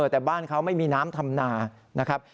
แต่บ้านเขาไม่มีน้ำทำนานะครับ